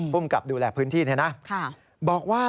ภูมิกับดูแลพื้นที่นี้นะบอกว่า